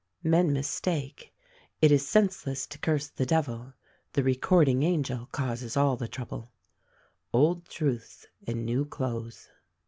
Men mistake: It is senseless to curse the Devil; — the Recording Angel causes all the trouble — Old Truths in New Clothes.